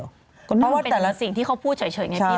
และสิ่งที่เขาพูดเฉยไงพี่เราก็ไม่รู้ว่าเขาทำจริงได้